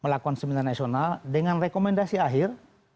melakukan seminar nasional dengan rekomendasi akhir